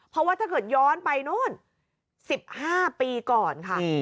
เพราะว่าถ้าเกิดย้อนไปนู่น๑๕ปีก่อนค่ะ